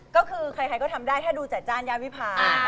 ก็คือใครก็ทำได้ถ้าดูจัดจ้านย่านวิพา